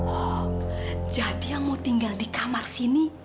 oh jadi yang mau tinggal di kamar sini